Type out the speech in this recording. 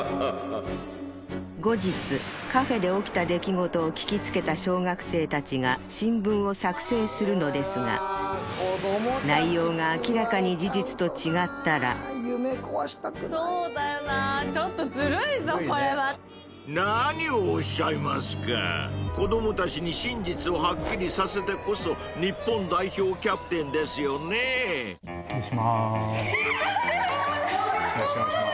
後日カフェで起きた出来事を聞きつけた小学生たちが新聞を作成するのですが内容が明らかに事実と違ったら何をおっしゃいますか子どもたちに真実をはっきりさせてこそ日本代表キャプテンですよね失礼します